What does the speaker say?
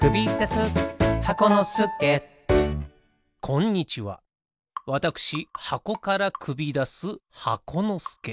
こんにちはわたくしはこからくびだす箱のすけ。